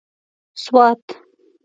سوات